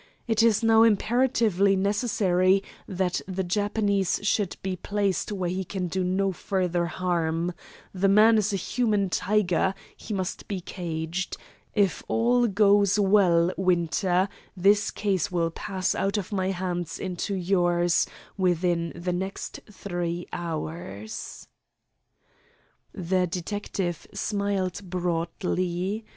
"It is now imperatively necessary that the Japanese should be placed where he can do no further harm. The man is a human tiger. He must be caged. If all goes well, Winter, this case will pass out of my hands into yours within the next three hours." The detective smiled broadly.